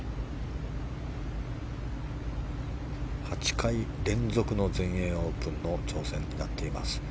８回連続の全英オープンの挑戦になっています。